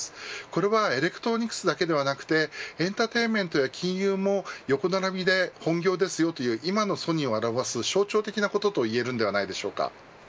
これはエレクトロニクスだけではなくてエンターテインメントや金融も横並びで本業ですよ、という今のソニーを表す象徴的なことといえるんではないでしょうか。